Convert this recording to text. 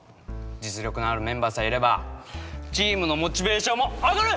実力のあるメンバーさえいればチームのモチベーションも上がる。